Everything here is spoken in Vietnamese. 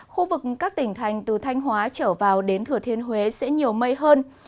khu vực các tỉnh thành từ thanh hóa trở vào đến thừa thiên huế sẽ nhiều mây hơn